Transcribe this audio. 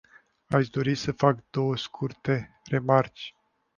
Aș dori să fac două scurte remarci.